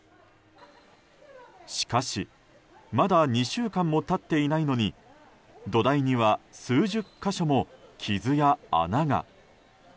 しかし、まだ２週間も経っていないのに土台には数十か所も傷や穴が。